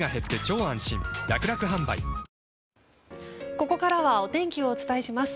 ここからはお天気をお伝えします。